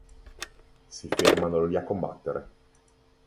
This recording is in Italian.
Si fermano lì a combattere.